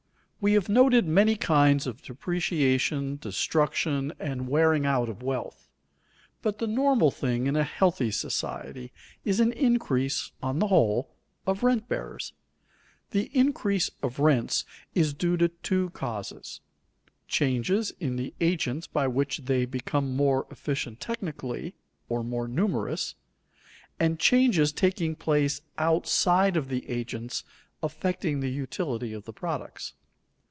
_ We have noted many kinds of depreciation, destruction, and wearing out of wealth; but the normal thing in a healthy society is an increase, on the whole, of rent bearers. The increase of rents is due to two causes: changes in the agents by which they become more efficient technically, or more numerous; and changes taking place outside of the agents, affecting the utility of the products.